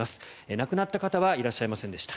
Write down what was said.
亡くなった方はいらっしゃいませんでした。